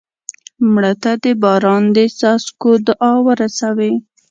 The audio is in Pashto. مړه ته د باران د څاڅکو دعا ورسوې